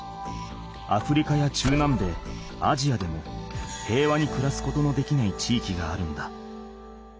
アフリカや中南米アジアでも平和に暮らすことのできない地域があるんだ。